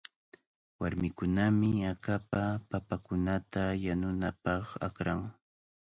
Warmikunami akapa papakunata yanunapaq akran.